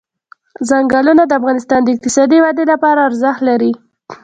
ځنګلونه د افغانستان د اقتصادي ودې لپاره ارزښت لري.